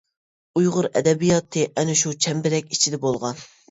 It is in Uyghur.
ئۇيغۇر ئەدەبىياتى ئەنە شۇ چەمبىرەك ئىچىدە بولغان.